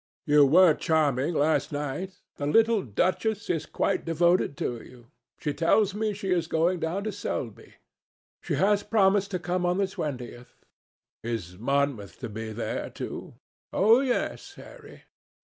"You were charming last night. The little duchess is quite devoted to you. She tells me she is going down to Selby." "She has promised to come on the twentieth." "Is Monmouth to be there, too?" "Oh, yes, Harry."